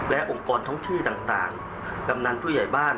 และองค์กรท้องที่ต่างกำนันผู้ใหญ่บ้าน